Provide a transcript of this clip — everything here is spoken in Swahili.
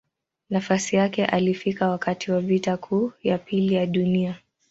Nafasi yake alifika wakati wa Vita Kuu ya Pili ya Dunia.